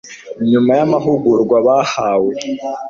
nyuma y'amahugurwa bahawe